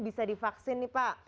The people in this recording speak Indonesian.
bisa divaksin nih pak